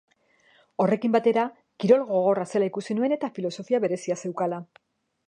Horrekin batera, kirol gogorra zela ikusi nuen, eta filosofia berezia zeukala.